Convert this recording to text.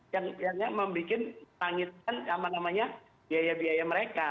yang membuat nangiskan apa namanya biaya biaya mereka